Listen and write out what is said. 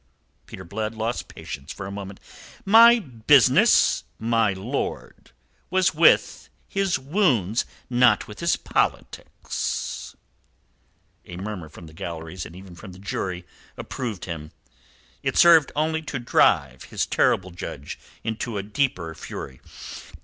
Peter Blood lost patience for a moment. "My business, my lord, was with his wounds, not with his politics." A murmur from the galleries and even from the jury approved him. It served only to drive his terrible judge into a deeper fury.